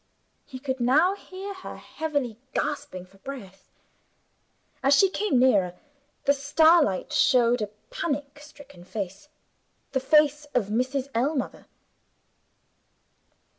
He could now hear her heavily gasping for breath. As she came nearer, the starlight showed a panic stricken face the face of Mrs. Ellmother.